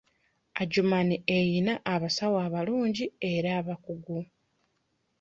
Adjumani eyina abasawo abalungi era abakugu.